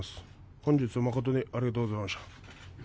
本日は誠にありがとうございました。